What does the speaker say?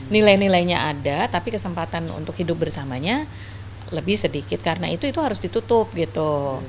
nilai nilainya ada tapi kesempatan untuk hidup bersamanya lebih sedikit karena itu itu harus ditutup gitu